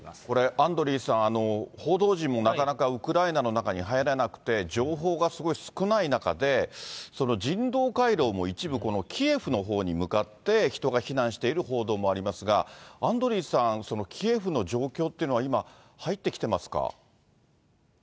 これ、アンドリーさん、報道陣もなかなかウクライナの中に入れなくて、情報がすごい少ない中で、人道回廊も一部このキエフのほうに向かって、人が避難している報道もありますが、アンドリーさん、キエフの状況っていうのは、今、入ってきてますか。